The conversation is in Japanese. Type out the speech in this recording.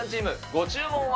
ご注文は。